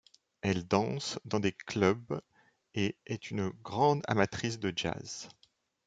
Elle danse dans des clubs et est une grande amatrice de Jazz.